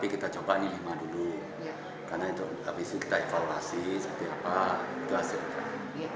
kita coba ini lima dulu karena itu habis kita evaluasi seperti apa itu hasilkan